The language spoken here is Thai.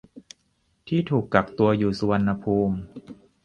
ที่ถูกกักตัวอยู่สุวรรณภูมิ